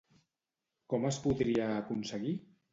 Com es podria aconseguir?